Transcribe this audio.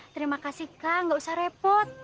terima kasih kang gak usah repot